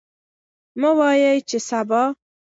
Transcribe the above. مه وایئ چې سبا.